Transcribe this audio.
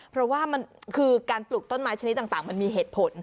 เพราะว่ามันคือการปลูกต้นไม้ชนิดต่างมันมีเหตุผล